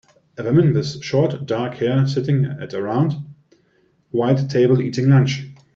A woman with short, dark hair sitting at a round, white table eating lunch.